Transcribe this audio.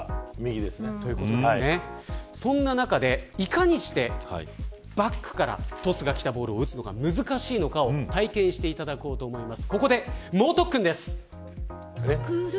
そんな中で、いかにしてバッグからトスがきたボールを打つのが難しいのかを体験していただこうと思います。